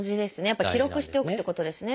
やっぱ記録しておくっていうことですね。